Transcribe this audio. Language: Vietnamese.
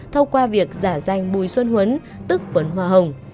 thông qua việc giả danh bùi xuân huấn tức vấn hoa hồng